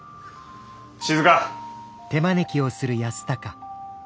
静！